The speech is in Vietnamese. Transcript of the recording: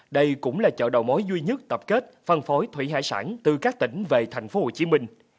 đây cũng là chợ đầu mối duy nhất tập kết phân phối thủy hải sản từ các tỉnh về tp hcm